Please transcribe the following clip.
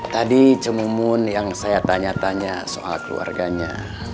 tadi cemumun yang saya tanya tanya soal keluarganya